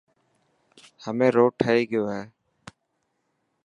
همي روڊ ٺهي گيو هي.